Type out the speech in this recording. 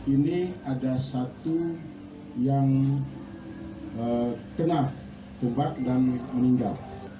ini ada satu yang kena tumpak dan meninggal